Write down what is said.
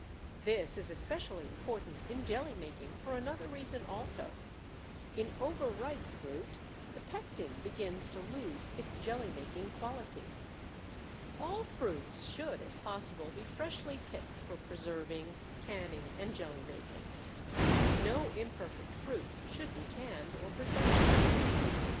This is especially important in jelly making for another reason also: In overripe fruit the pectin begins to lose its jelly making quality. All fruits should, if possible, be freshly picked for preserving, canning, and jelly making. No imperfect fruit should be canned or preserved.